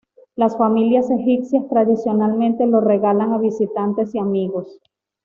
Las familias egipcias tradicionalmente lo regalan a visitantes y amigos.